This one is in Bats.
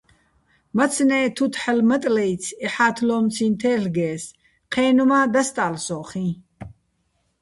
მაცნე́ თუთ ჰ̦ალო̆ მატლაჲცი̆, ეჰ̦ა́თლო́მციჼ თელ'გე́ს, ჴენო̆ მა́ დასტა́ლ სო́ხიჼ.